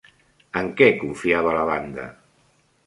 En què confiava la banda?